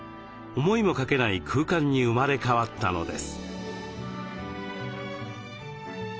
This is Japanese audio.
思いもかけない空間に生まれ変わったのです。